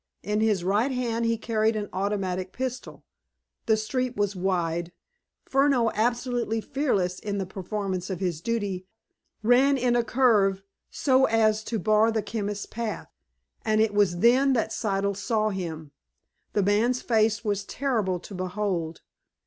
In his right hand he carried an automatic pistol. The street was wide. Furneaux, absolutely fearless in the performance of his duty, ran in a curve so as to bar the chemist's path, and it was then that Siddle saw him. The man's face was terrible to behold.